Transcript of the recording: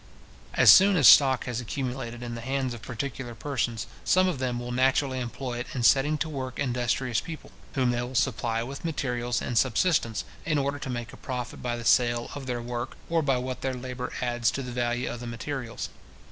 As soon as stock has accumulated in the hands of particular persons, some of them will naturally employ it in setting to work industrious people, whom they will supply with materials and subsistence, in order to make a profit by the sale of their work, or by what their labour adds to the value of the materials.